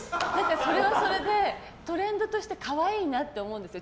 それはそれでトレンドとして可愛いなって思うんですよ。